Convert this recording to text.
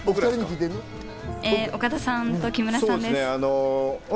岡田さんと木村さん。